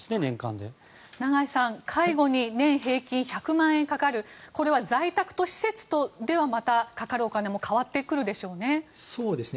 長井さん介護に年平均１００万円かかるこれは在宅と施設ではまたかかるお金も変わってくるでしょうね？